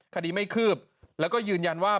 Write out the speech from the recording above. คดีไม่คืบแล้วก็ยืนยันว่า